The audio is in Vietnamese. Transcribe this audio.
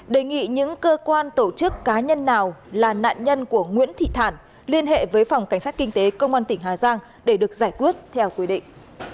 đề nghị những cơ quan tổ chức cá nhân nào là nạn nhân của nguyễn thị thản liên hệ với phòng cảnh sát kinh tế công an tỉnh hà giang để được giải quyết theo quy định